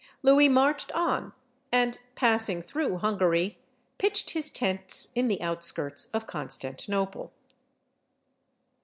Louis marched on, and, passing through Hungary, pitched his tents in the outskirts of Constantinople.